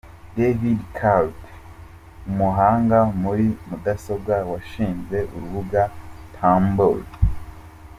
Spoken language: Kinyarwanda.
David Karp umuhanga muri mudasobwa washinze urubuga tumblr.